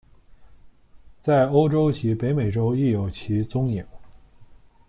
在欧洲及北美洲亦有其踪影。